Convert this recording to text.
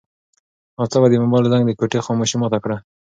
ناڅاپه د موبایل زنګ د کوټې خاموشي ماته کړه.